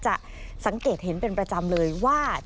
สังเกตเห็นเป็นประจำเลยว่า